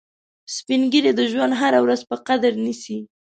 سپین ږیری د ژوند هره ورځ په قدر نیسي